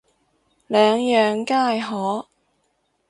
兩樣皆可